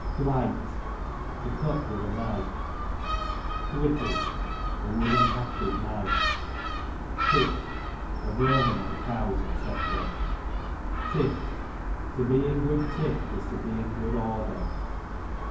Thwite, to cut with a knife. Thwittle, a wooden hafted knife. Tick, a vermin on cows, £c. Tift, to be in good tift is to be in good order.